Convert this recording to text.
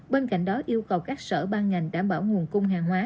bên cạnh đó yêu cầu các sở ban ngành đảm bảo nguồn cung hàng hóa